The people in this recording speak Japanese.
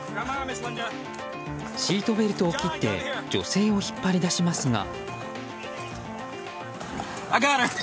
シートベルトを切って女性を引っ張り出しますが。